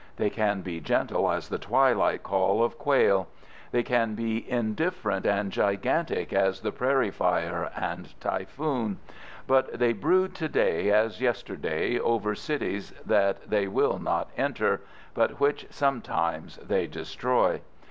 They can be gentle as the twilight call of quail. They can be indifferent and gigantic as the prairie fire and typhoon. But they brood to day as yesterday over cities that they will not enter, but which sometimes they destroy.